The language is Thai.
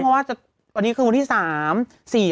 วันนี้คือวันที่๓๔๕